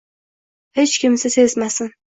Hech kimsa sezmasin